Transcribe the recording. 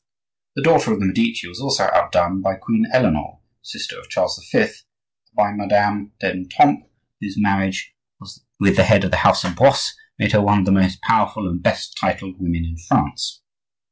The daughter of the Medici was also outdone by Queen Eleonore, sister of Charles V., and by Madame d'Etampes, whose marriage with the head of the house of Brosse made her one of the most powerful and best titled women in France.